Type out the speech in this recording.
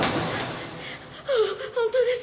ほ本当です。